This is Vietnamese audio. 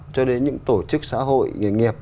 cho đến những tổ chức xã hội nghệ nghiệp